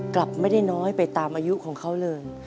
กลับไม่ได้น้อยไปตามอายุของเขาเลย